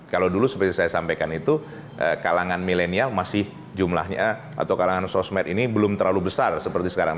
kalau dulu seperti saya sampaikan itu kalangan milenial masih jumlahnya atau kalangan sosmed ini belum terlalu besar seperti sekarang